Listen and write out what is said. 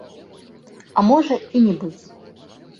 А можа і не быць.